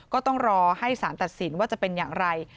ก็ต้องรอให้สารตัดสินว่าจะเป็นอย่างไร